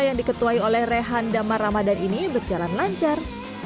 yang diketuai oleh rehan damar ramadan ini berjalan lancar